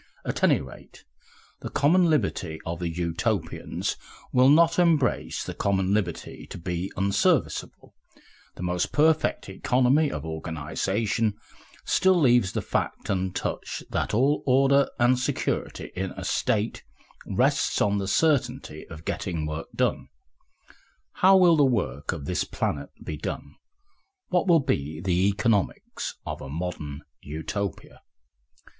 At any rate, the common liberty of the Utopians will not embrace the common liberty to be unserviceable, the most perfect economy of organisation still leaves the fact untouched that all order and security in a State rests on the certainty of getting work done. How will the work of this planet be done? What will be the economics of a modern Utopia?